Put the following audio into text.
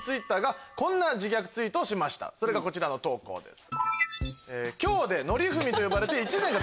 それがこちらの投稿です。